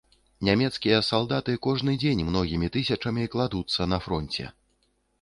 Нямецкія салдаты кожны дзень многімі тысячамі кладуцца на фронце.